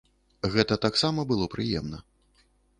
Гэта таксама было прыемна.